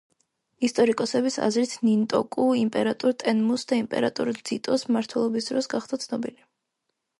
ისტორიკოსების აზრით, ნინტოკუ იმპერატორ ტენმუს და იმპერატორ ძიტოს მმართველობის დროს გახდა ცნობილი.